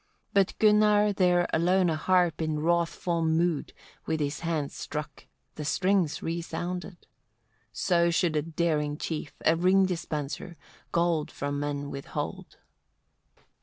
But Gunnar there alone a harp in wrathful mood with his hand struck: the strings resounded. So should a daring chief, a ring dispenser, gold from men withhold.